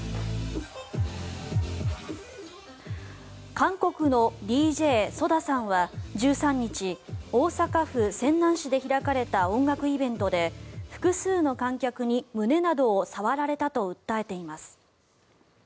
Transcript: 韓国のＤＪＳＯＤＡさんは１３日大阪府泉南市で開かれた音楽イベントで複数の観客に胸などを触られたと訴えています。